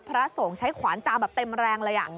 คุณผู้ชมใช้ขวานจามแบบเต็มแรงเลย